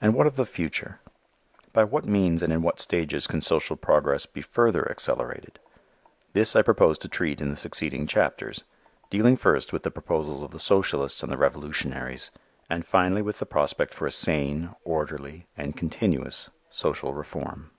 And what of the future? By what means and in what stages can social progress be further accelerated? This I propose to treat in the succeeding chapters, dealing first with the proposals of the socialists and the revolutionaries, and finally with the prospect for a sane, orderly and continuous social reform.